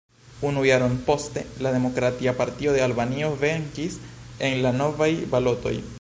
Unu jaron poste la Demokratia Partio de Albanio venkis en la novaj balotoj.